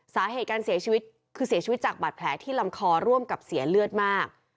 สาเหตุการเสียชีวิตคือเสียชีวิตจากบาดแผลที่ลำคอร่วมกับเสียเลือดมาก